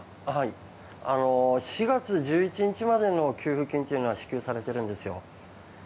４月１１日までの給付金は支給されているんですよ。